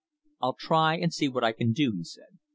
"I'll try and see what I can do," he said.